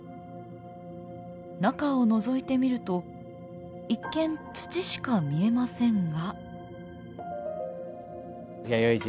中をのぞいてみると一見土しか見えませんが。